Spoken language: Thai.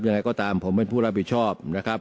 ยังไงก็ตามผมเป็นผู้รับผิดชอบนะครับ